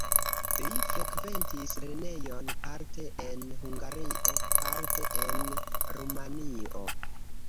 Li frekventis lernejon parte en Hungario, parte en Rumanio.